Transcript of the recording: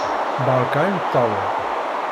Beṛka imeṭṭawen!